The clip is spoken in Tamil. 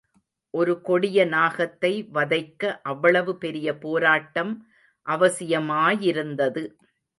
ஒரு கொடிய நாகத்தை, வதைக்க அவ்வளவு பெரிய போராட்டம் அவசியமாயிருந்தது.